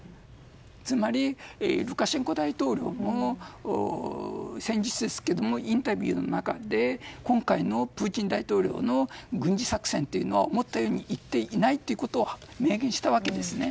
つまり、ルカシェンコ大統領も先日ですけどもインタビューの中で今回のプーチン大統領の軍事作戦は思ったようにいっていないということを明言したわけです。